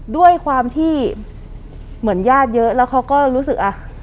ด้วยความที่เหมือนญาติเยอะแล้วเขาก็รู้สึกอ่ะ